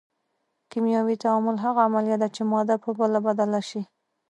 کیمیاوي تعامل هغه عملیه ده چې ماده په بله بدله شي.